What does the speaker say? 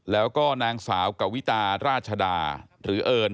แล้วก็นางสาวกวิตาราชดาหรือเอิญ